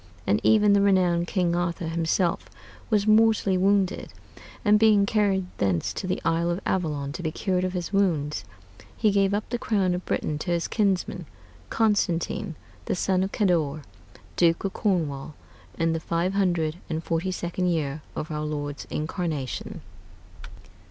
And even the renowned King Arthur himself was mortally wounded; and being carried thence to the isle of Avallon to be cured of his wounds, he gave up the crown of Britain to his kinsman Constantine, the son of Cador, Duke of Cornwall, in the five hundred and forty second year of our Lord's incarnation.